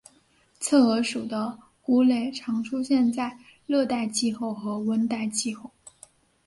侧耳属的菇类常出现在热带气候和温带气候。